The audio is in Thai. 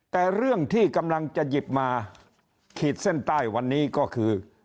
แต่เรื่องที่กำลังจะหยิบมาขีดเส้นใต้วันนี้ก็คือ